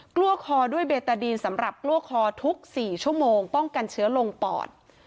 กลัวคอด้วยเบตาดีนสำหรับกลัวคอทุก๔ชั่วโมงป้องกันเชื้อลงปอด